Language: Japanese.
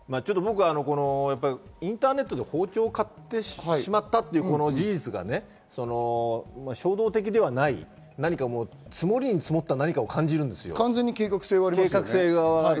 インターネットで包丁を買ってしまったという事実が衝動的ではない、積もりに積もった何かを感じるんですよ。